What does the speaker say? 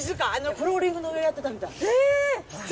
フローリングの上やってたみたい。